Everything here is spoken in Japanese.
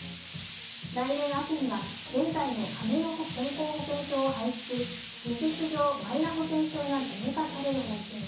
来年秋には、現在の紙の健康保険証を廃止し事実上、マイナ保険証が義務化される方針。